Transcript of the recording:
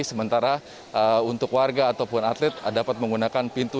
sementara untuk warga ataupun atlet dapat menggunakan pintu